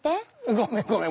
ごめんごめん。